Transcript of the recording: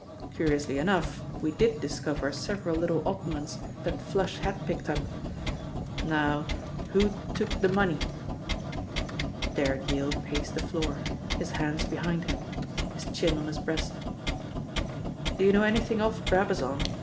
Curiously enough, we did discover several little oddments that 'Flush' had picked up now, who took the money?" Derrick Yale paced the floor, his hands behind him, his chin on his breast. "Do you know anything of Brabazon?"